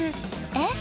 「えっ？